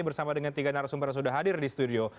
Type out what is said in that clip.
bersama dengan tiga narasumber yang sudah hadir di studio